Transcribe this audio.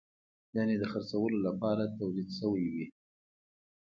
یعنې د خرڅولو لپاره تولید شوی وي.